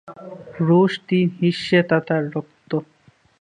রুশ তিন হিস্যে তাতার রক্ত।